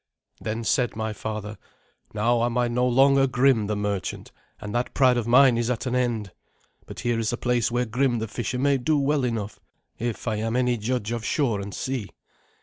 Then said my father, "Now am I no longer Grim the merchant, and that pride of mine is at an end. But here is a place where Grim the fisher may do well enough, if I am any judge of shore and sea.